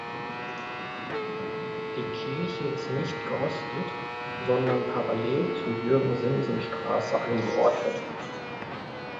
Die Kirche ist nicht geostet, sondern parallel zur Jürgen-Siemsen-Straße angeordnet.